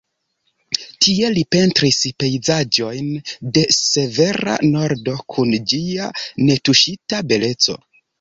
Tie li pentris pejzaĝojn de severa Nordo kun ĝia netuŝita beleco.